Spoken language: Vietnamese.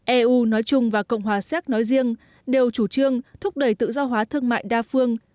eu nói chung và cộng hòa xéc nói riêng đều chủ trương thúc đẩy tự do hóa thương mại đa phương